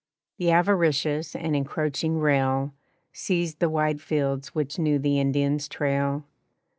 The avaricious and encroaching rail Seized the wide fields which knew the Indian's trail.